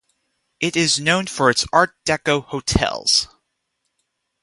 It is known for its Art Deco hotels.